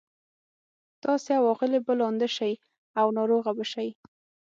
تاسي او آغلې به لانده شئ او ناروغه به شئ.